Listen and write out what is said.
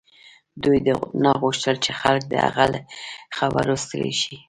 دوی نه غوښتل چې خلک د هغه له خبرو ستړي شي